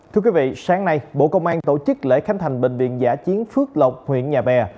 thưa quý vị sáng nay bộ công an tổ chức lễ khánh thành bệnh viện giả chiến phước lộc huyện nhà bè